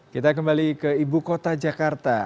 kita kembali ke ibu kota jakarta